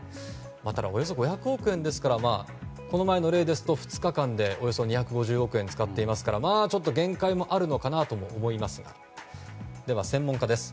ただ、およそ５００億円なのでこの前の例だと２日間で、およそ２５０億円使っていますからまあ、ちょっと限界もあるのかなと思いますがでは専門家です。